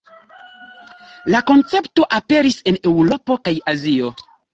La koncepto aperis en Eŭropo kaj Azio.